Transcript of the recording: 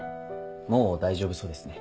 もう大丈夫そうですね